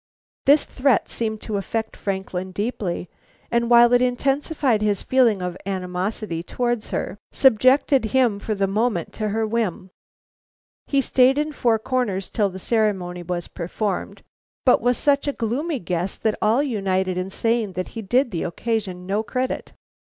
This threat seemed to affect Franklin deeply, and while it intensified his feeling of animosity towards her, subjected him for the moment to her whim. He stayed in Four Corners till the ceremony was performed, but was such a gloomy guest that all united in saying that he did the occasion no credit.